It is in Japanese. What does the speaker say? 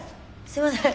すいません。